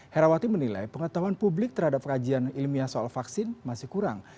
herawati menilai pengetahuan publik terhadap kajian ilmiah soal vaksin masih kurang